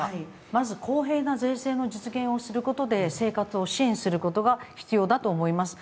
まず、公平な税制の実現をすることで生活を支援することが必要だと思います。